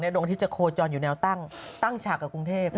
ดวงอาทิตย์จะโคจรอยู่แนวตั้งตั้งฉากกับกรุงเทพ